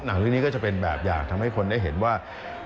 เรื่องนี้ก็จะเป็นแบบอย่างทำให้คนได้เห็นว่า